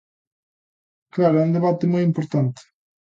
Claro, é un debate moi importante.